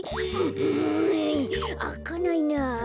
うんあかないなあ。